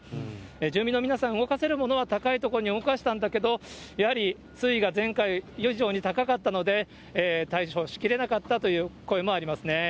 住民の皆さん、動かせるものは高い所に動かしたんだけれども、やはり水位が前回以上に高かったので、対処しきれなかったという声もありますね。